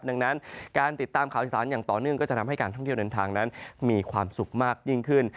ดังนั้นการติดตามข่าวสารอย่างต่อเนื่องก็จะทำให้การท่องเที่ยวเดินทางนั้นมีความสุขมากยิ่งขึ้น